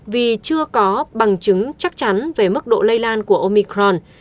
vì chưa có bằng chứng chắc chắn về mức độ lây lan của omicron